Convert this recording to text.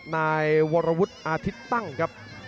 นายวรวุฒิอาทิตย์ตั้งครับ